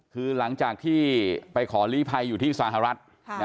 คือหลังจากที่ไปขอลีภัยอยู่ที่สหรัฐ